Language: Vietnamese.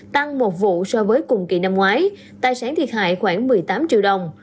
tăng một vụ so với cùng kỳ năm ngoái tài sản thiệt hại khoảng một mươi tám triệu đồng